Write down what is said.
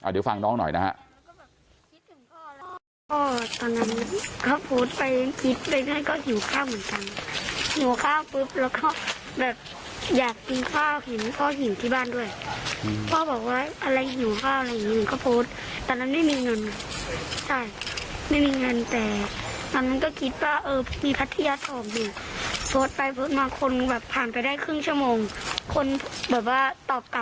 เดี๋ยวฟังน้องหน่อยนะฮะ